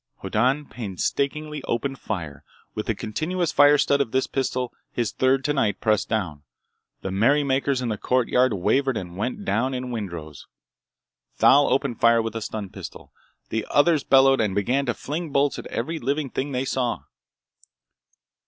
Hoddan painstakingly opened fire; with the continuous fire stud of this pistol—his third tonight—pressed down. The merrymakers in the courtyard wavered and went down in windrows. Thal opened fire with a stun pistol. The others bellowed and began to fling bolts at every living thing they saw.